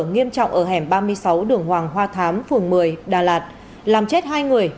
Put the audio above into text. nghiêm trọng ở hẻm ba mươi sáu đường hoàng hoa thám phường một mươi đà lạt làm chết hai người